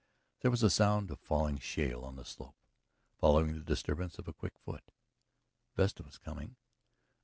There was a sound of falling shale on the slope, following the disturbance of a quick foot. Vesta was coming.